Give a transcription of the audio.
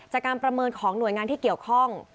การประเมินของหน่วยงานที่เกี่ยวข้อง